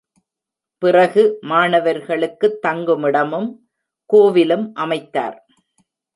பிறகு மாணவர்களுக்குத் தங்குமிடமும், கோவிலும் அமைத்தார்.